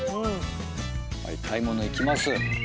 買い物行きます。